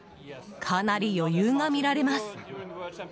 かなり余裕が見られます。